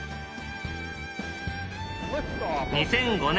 ２００５年